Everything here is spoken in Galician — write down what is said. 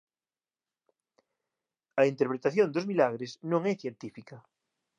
A interpretación dos milagres non é científica